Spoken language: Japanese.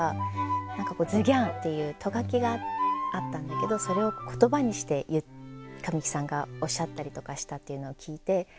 何か「！」っていうト書きがあったんだけどそれを言葉にして神木さんがおっしゃったりとかしたっていうのを聞いて。